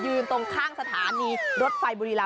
ตรงข้างสถานีรถไฟบุรีราม